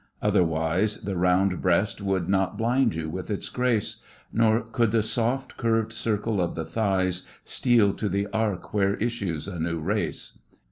Otherwise The round breast would not blind you with its grace, Nor could the soft curved circle of the thighs Steal to the arc whence issues a new race.